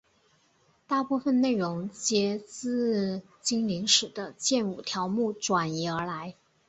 大部分内容皆自精灵使的剑舞条目转移而来。